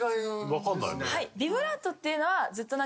わかんないね。